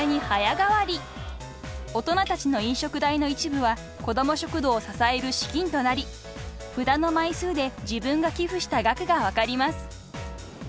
［大人たちの飲食代の一部は子ども食堂を支える資金となり札の枚数で自分が寄付した額が分かります］